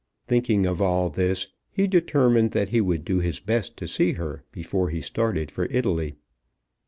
Thinking of all this, he determined that he would do his best to see her before he started for Italy.